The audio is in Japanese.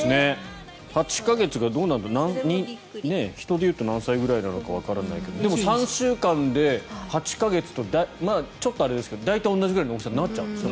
８か月がどうなんだろう人でいうと何歳ぐらいなのかわからないけれどでも、３週間で８か月とちょっとあれですけど大体同じぐらいの大きさになっちゃうんです。